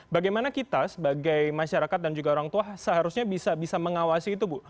bagaimana kita sebagai masyarakat dan juga orang tua seharusnya bisa mengawasi itu bu